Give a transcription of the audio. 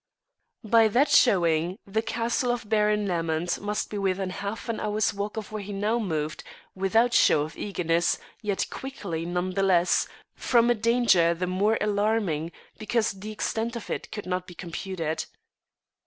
By that showing the castle of Baron Lamond must be within half an hour's walk of where he now moved without show of eagerness, yet quickly none the less, from a danger the more alarming because the extent of it could not be computed.